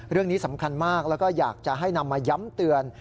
เรื่องนี้สำคัญมากแล้วก็อยากจะให้นำมาย้ำเตือน